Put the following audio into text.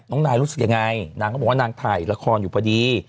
นายรู้สึกยังไงนางก็บอกว่านางถ่ายละครอยู่พอดี